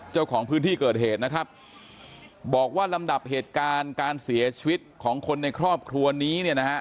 เจ้าของพื้นที่เกิดเหตุนะครับบอกว่าลำดับเหตุการณ์การเสียชีวิตของคนในครอบครัวนี้เนี่ยนะฮะ